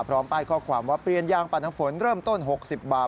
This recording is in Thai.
พร้อมป้ายข้อความว่าเปลี่ยนยางปั่นน้ำฝนเริ่มต้น๖๐บาท